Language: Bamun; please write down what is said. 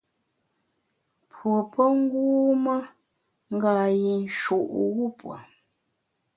Pue pe ngûme ngâ-yinshu’ wupue.